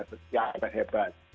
banyak tokoh tokoh yang besar yang hebat